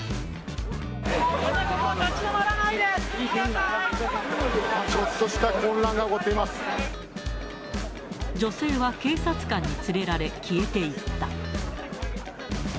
立ち止まらないで進んでくだちょっとした混乱が起こって女性は警察官に連れられ、消えていった。